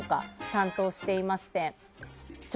担当していまして。